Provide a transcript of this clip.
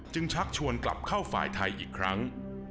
ชักชวนกลับเข้าฝ่ายไทยอีกครั้ง